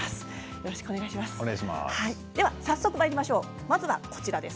よろしくお願いします。